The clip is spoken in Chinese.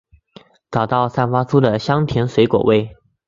找到散发出的香甜水果味！